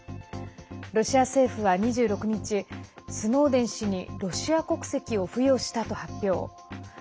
ロシア政府は２６日スノーデン氏にロシア国籍を付与したと発表。